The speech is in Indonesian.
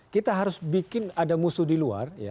kita harus bikin ada musuh di luar